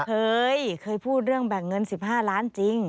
เคยเคยพูดเรื่องแบ่งเงิน๑๕ล้านจริง